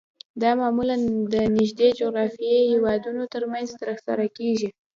دا معمولاً د نږدې جغرافیایي هیوادونو ترمنځ ترسره کیږي